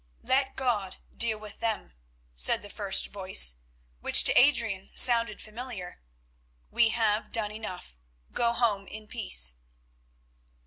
"Let God deal with them," said the first voice, which to Adrian sounded familiar. "We have done enough. Go home in peace."